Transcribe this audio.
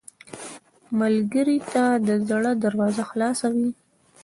ملګری ته د زړه دروازه خلاصه وي